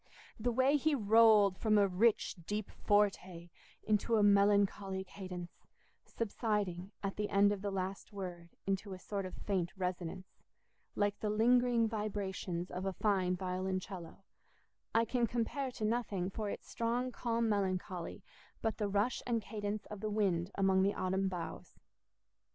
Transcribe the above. The way he rolled from a rich deep forte into a melancholy cadence, subsiding, at the end of the last word, into a sort of faint resonance, like the lingering vibrations of a fine violoncello, I can compare to nothing for its strong calm melancholy but the rush and cadence of the wind among the autumn boughs.